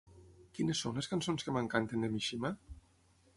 Quines són les cançons que m'encanten de Mishima?